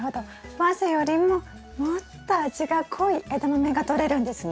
早生よりももっと味が濃いエダマメがとれるんですね。